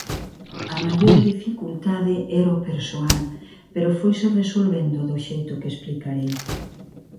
A maior dificultade era o persoal, pero foise resolvendo do xeito que explicarei.